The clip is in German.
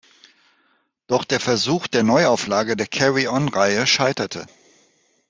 Doch der Versuch der Neuauflage der "Carry-on"-Reihe scheiterte.